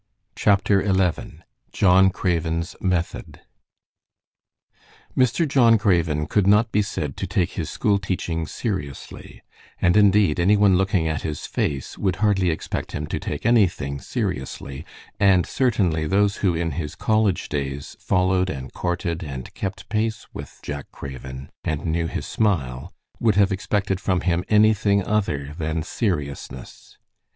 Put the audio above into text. CHAPTER XI JOHN CRAVEN'S METHOD Mr. John Craven could not be said to take his school teaching seriously; and indeed, any one looking at his face would hardly expect him to take anything seriously, and certainly those who in his college days followed and courted and kept pace with Jack Craven, and knew his smile, would have expected from him anything other than seriousness.